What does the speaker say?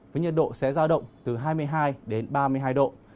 với nhiệt độ sẽ ra động từ hai mươi hai đến ba mươi hai độ